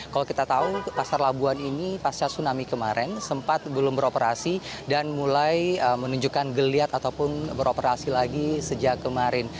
kalau kita tahu pasar labuan ini pasca tsunami kemarin sempat belum beroperasi dan mulai menunjukkan geliat ataupun beroperasi lagi sejak kemarin